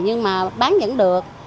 nhưng mà bán vẫn được